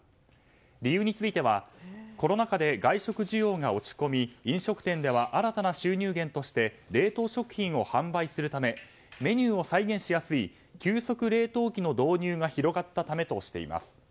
理由についてはコロナ禍で外食需要が落ち込み飲食店では新たな収入源として冷凍食品を販売するためメニューを再現しやすい急速冷凍機の導入が広がったためとしています。